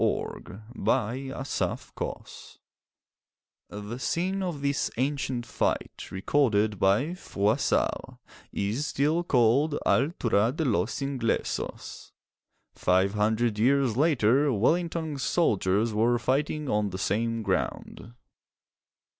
A FORGOTTEN TALE [The scene of this ancient fight, recorded by Froissart, is still called 'Altura de los Inglesos.' Five hundred years later Wellington's soldiers were fighting on the same ground.